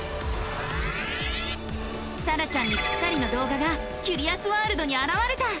さらちゃんにぴったりの動画がキュリアスワールドにあらわれた！